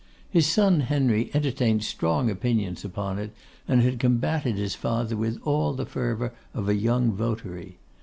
His son Henry entertained strong opinions upon it, and had combated his father with all the fervour of a young votary.